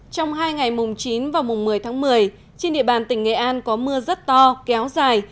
trong hai ngày mùng chín và mùng một mươi tháng một mươi trên địa bàn tỉnh nghệ an có mưa rất to kéo dài